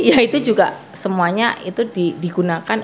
ya itu juga semuanya itu digunakan